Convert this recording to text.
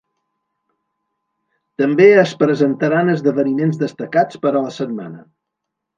També es presentaran esdeveniments destacats per a la setmana.